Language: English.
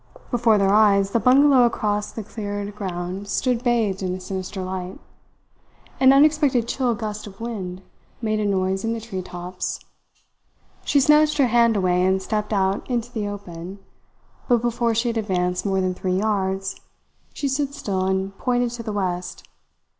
Before their eyes the bungalow across the cleared ground stood bathed in a sinister light. An unexpected chill gust of wind made a noise in the tree tops. She snatched her hand away and stepped out into the open; but before she had advanced more than three yards, she stood still and pointed to the west.